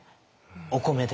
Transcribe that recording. お米で。